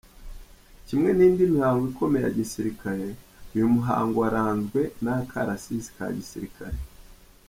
Kimwe n’ indi mihango ikomeye ya gisirikare uyu muhango waranzwe n’ akarasisi ka gisirikare.